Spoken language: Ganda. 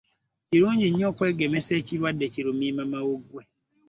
Kirungi nnyo okwegemesa ekirwadde ki lumiimamawuggwe.